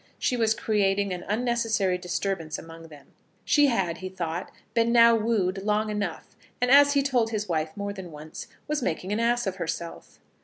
She was creating an unnecessary disturbance among them. She had, he thought, been now wooed long enough, and, as he told his wife more than once, was making an ass of herself.